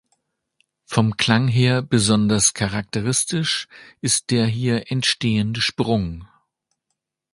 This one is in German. Vom Klang her besonders charakteristisch ist der hier entstehende Sprung.